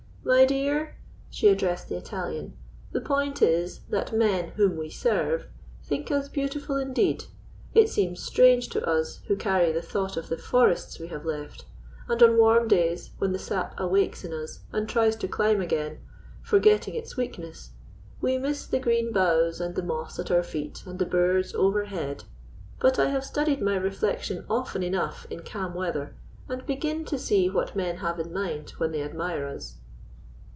My dear," she addressed the Italian, "the point is, that men, whom we serve, think us beautiful indeed. It seems strange to us, who carry the thought of the forests we have left; and on warm days, when the sap awakes in us and tries to climb again, forgetting its weakness, we miss the green boughs and the moss at our feet and the birds overhead. But I have studied my reflection often enough in calm weather, and begin to see what men have in mind when they admire us."